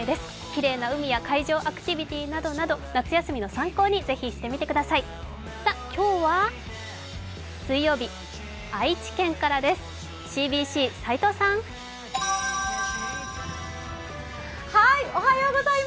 きれいな海や海上アクティビティーなどなど夏休みの参考にしてみてください。